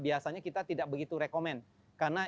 biasanya kita tidak begitu rekomen karena